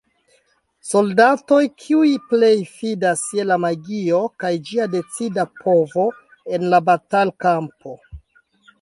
Soldatoj kiuj plej fidas je la magio kaj ĝia decida povo en la batal-kampo.